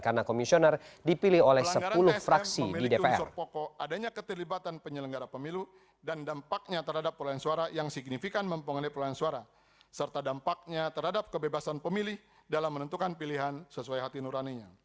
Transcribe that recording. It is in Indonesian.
karena komisioner dipilih oleh sepuluh fraksi di dpr